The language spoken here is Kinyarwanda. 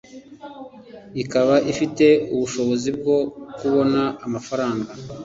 ikaba ifite ubushobozi bwo kubona amafaranga